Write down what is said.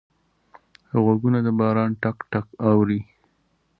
غوږونه د باران ټک ټک اوري